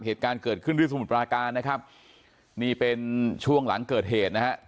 เหตุการณ์เกิดขึ้นที่สมุทรปราการนะครับนี่เป็นช่วงหลังเกิดเหตุนะฮะ